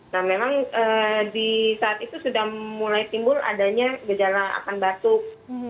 nah memang di saat itu sudah mulai timbul adanya gejala akan batuk